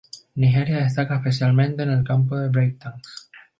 Nigeria destaca especialmente en el campo del breakdance.